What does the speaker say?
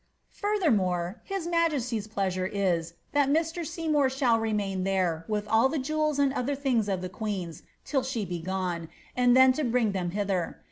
ennore, his majesty's pleasure is, that Mr. Seymour shall remain there, he jewels and other tilings of the queen's, till she be gone, and then to n hither.